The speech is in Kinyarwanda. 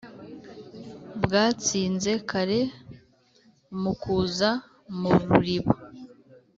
bwatsinze kare mu kuza mu ruriba.